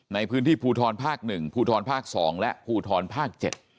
ในพื้นที่ภูทรภาค๑ภูทรภาค๒และภูทรภาค๗